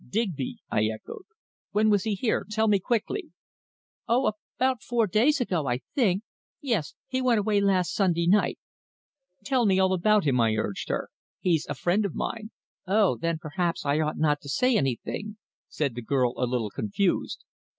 "Digby!" I echoed. "When was he here? Tell me quickly!" "Oh, about four days ago, I think. Yes he went away last Sunday night." "Tell me all about him," I urged her. "He's a friend of mine." "Oh, then perhaps I ought not to say anything," said the girl a little confused.